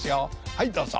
はいどうぞ。